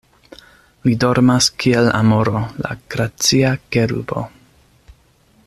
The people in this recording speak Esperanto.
Li dormas kiel amoro, la gracia kerubo.